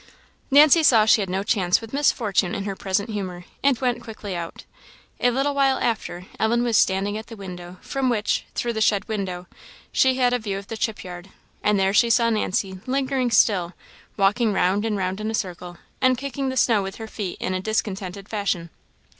Nancy saw she had no chance with Miss Fortune in her present humour, and went quickly out. A little while after, Ellen was standing at the window, from which, through the shed window, she had a view of the chip yard, and there she saw Nancy lingering still, walking round and round in a circle, and kicking the snow with her feet in a discontented fashion.